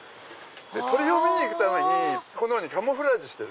鳥を見に行くためにこのようにカムフラージュしてる。